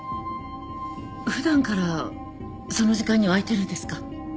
普段からその時間には開いてるんですか？